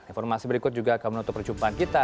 informasi berikut juga akan menutup perjumpaan kita